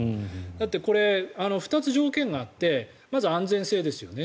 だって２つ条件があってまず安全性ですよね。